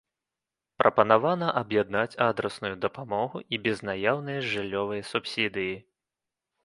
Прапанавана аб'яднаць адрасную дапамогу і безнаяўныя жыллёвыя субсідыі.